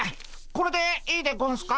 これでいいでゴンスか？